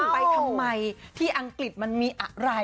ไปทำไมที่อังกฤษมันมีอะไร